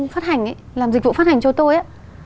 phát hành làm dịch vụ phát hành cho tôi ấy